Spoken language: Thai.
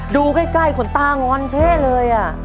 ดูใกล้ขนตางอนเช่เลย